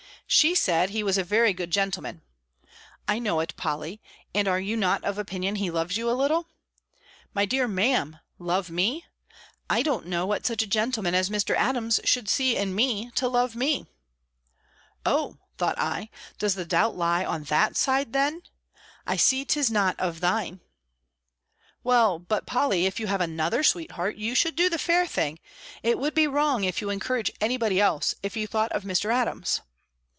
She said he was a very good gentleman. "I know it, Polly; and are you not of opinion he loves you a little?" "Dear Ma'am love me I don't know what such a gentleman as Mr. Adams should see in me, to love me!" "Oh!" thought I, "does the doubt lie on that side then? I see 'tis not of thine." "Well, but, Polly, if you have another sweetheart, you should do the fair thing; it would be wrong, if you encourage any body else, if you thought of Mr. Adams."